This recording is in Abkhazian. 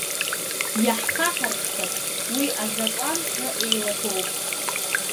Иаҳхаҳаршҭып, уи азакәанқәа еилагоуп.